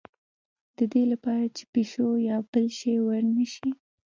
د دې لپاره چې پیشو یا بل شی ور نه شي.